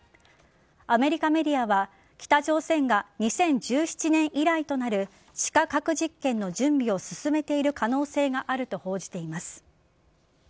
アメリカメディアは北朝鮮が２０１７年以来となる地下核実験の準備を進めている可能性があると報じています。